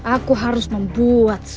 aku harus membuat siasat